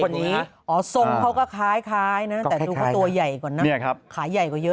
นี้อ๋อทรงเขาก็คล้ายนะแต่ดูเขาตัวใหญ่ก่อนนะขาใหญ่กว่าเยอะ